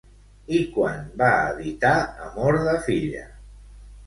I quan va editar Amor de filla?